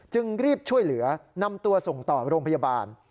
จึงรีบช่วยเหลือนำตัวส่งต่อโรงพยาบาล